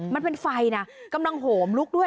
มันเป็นไฟนะกำลังโหมลุกด้วย